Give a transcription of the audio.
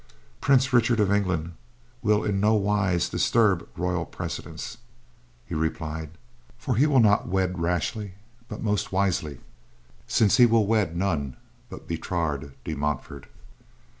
"Prince Richard of England will in no wise disturb royal precedents," he replied, "for he will wed not rashly, but most wisely, since he will wed none but Bertrade de Montfort."